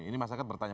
ini mas aket bertanya